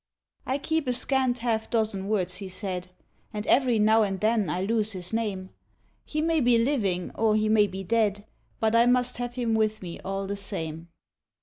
I keep a scant half dozen words he said. And every now and then I lose his name ; He may be living or he may be dead. But I must have him with me all the same.